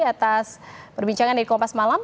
atas perbincangan dari kompas malam